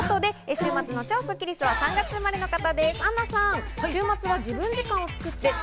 週末の超スッキりすは３月生まれの方です、アンナさん。